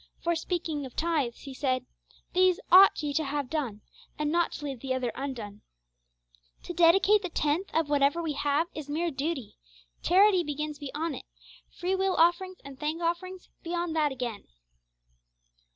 For, speaking of tithes, He said, 'These ought ye to have done, and not to leave the other undone.' To dedicate the tenth of whatever we have is mere duty; charity begins beyond it; free will offerings and thank offerings beyond that again.